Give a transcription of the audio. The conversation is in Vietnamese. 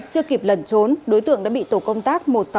chưa kịp lẩn trốn đối tượng đã bị tổ công tác